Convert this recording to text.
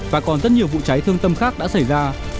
và còn rất nhiều vụ cháy thương tâm khác đã xảy ra